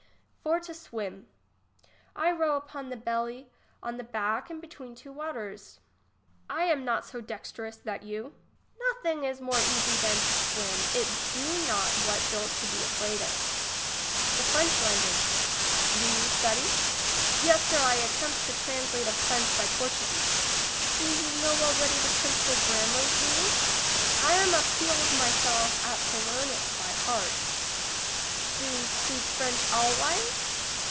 For to swim. I row upon the belly on the back and between two waters. English as she is spoke. 47 I am not so dexte rous that you. Nothing is more easy than to swim ; it do not what don't to be afraid oL ^hefrench language. Do you study ? Yes, sir, I attempts to translate of french by Portuguese. Do you know already the principal grammars rules? I am appleed my self at to leamjts by heart Do speak french alwais